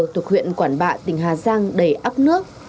thuộc huyện quản bạ tỉnh hà giang đầy áp nước